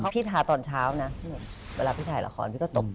พี่ทาตอนเช้านะเวลาพี่ถ่ายละครพี่ก็ตบ